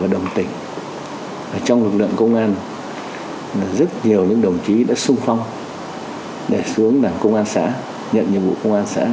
đồng tình trong lực lượng công an rất nhiều những đồng chí đã sung phong để xuống đảng công an xã nhận nhiệm vụ công an xã